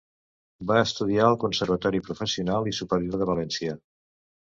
Va estudiar al conservatori professional i superior de València.